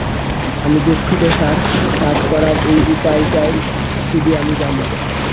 আমি দুঃখিত স্যার, কাজ করার এই উপায়টাই শুধু আমি জানি।